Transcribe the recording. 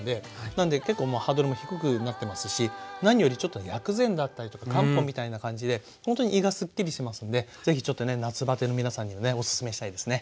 なんで結構もうハードルも低くなってますし何よりちょっと薬膳だったりとか漢方みたいな感じでほんとに胃がすっきりしますんでぜひちょっとね夏バテの皆さんにはねオススメしたいですね。